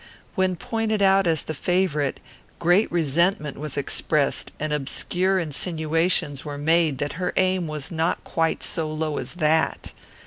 When pointed out as the favourite, great resentment was expressed, and obscure insinuations were made that her aim was not quite so low as that.